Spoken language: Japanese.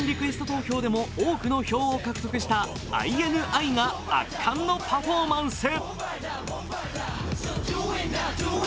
投票でも多くの票を獲得したＩＮＩが圧巻のパフォーマンス。